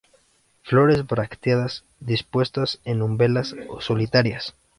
Flores bracteadas, dispuestas en umbelas o solitarias.